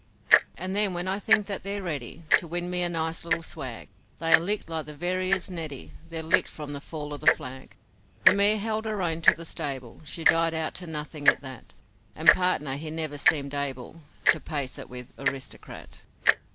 'And then when I think that they're ready To win me a nice little swag, They are licked like the veriest neddy They're licked from the fall of the flag. The mare held her own to the stable, She died out to nothing at that, And Partner he never seemed able To pace it with Aristocrat.